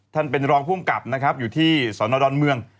ท่านเป็นรองภูมิกับนะครับอยู่ที่สนดอนเมือง